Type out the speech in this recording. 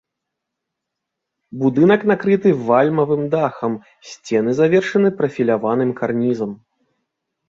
Будынак накрыты вальмавым дахам, сцены завершаны прафіляваным карнізам.